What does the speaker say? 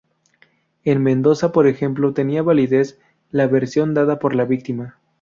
En Mendoza, por ejemplo, tenía validez la versión dada por la víctima.